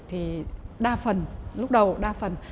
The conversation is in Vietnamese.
thì đa phần lúc đầu đa phần